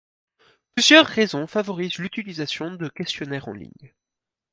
Plusieurs raisons favorisent l'utilisation de questionnaire en ligne.